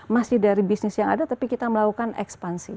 masih dari bisnis yang ada tapi kita melakukan ekspansi